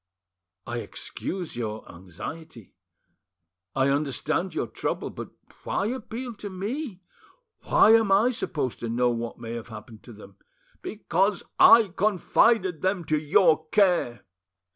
"I excuse your anxiety, I understand your trouble, but why appeal to me? Why am I supposed to know what may have happened to them?" "Because I confided them to your care."